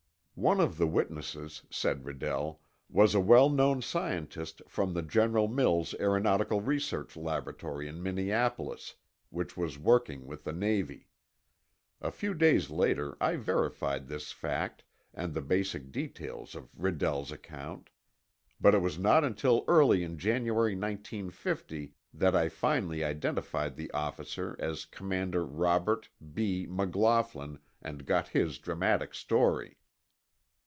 One of the witnesses, said Redell, was a well known scientist from the General Mills aeronautical research laboratory in Minneapolis, which was working with the Navy. (A few days later, I verified this fact and the basic details of Redell's account. But it was not until early in January 1950 that I finally identified the officer as Commander Robert B. McLaughlin and got his dramatic story.)